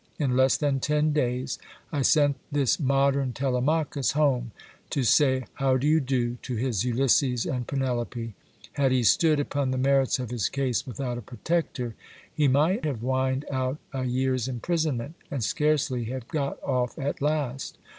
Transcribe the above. In less than ten days, I sent this modern Telemachus home, to say "how do you do?" to his Ulysses and Penelope; had he stood upon the merits of his case without a protector, he might have whined out a year's imprisonment, and scarcely have got off at last.